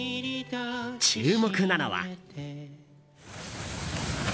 注目なのは。